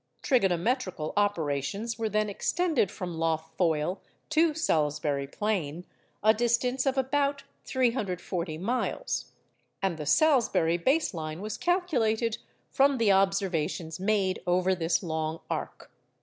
Trigonometrical operations were then extended from Lough Foyle to Salisbury Plain, a distance of about 340 miles; and the Salisbury base line was calculated from the observations made over this long arc.